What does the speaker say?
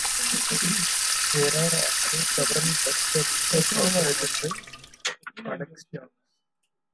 There are also several bus services operated by Connexxion.